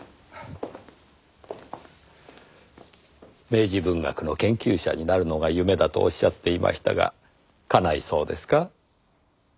明治文学の研究者になるのが夢だとおっしゃっていましたが叶いそうですか？